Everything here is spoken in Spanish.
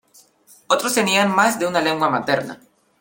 Otros tenían más de una lengua materna.